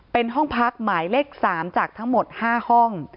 เป็นห้องพักหมายเลข๓จากทั้งหมด๕ห้อง